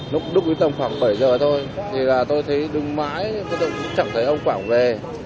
lúc lúc nguyên tâm khoảng bảy giờ thôi thì là tôi thấy đứng mãi tôi cũng chẳng thấy ông quảng về